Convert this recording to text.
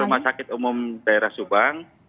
rumah sakit umum daerah subang